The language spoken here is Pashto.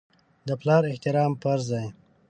د پلار احترام فرض دی.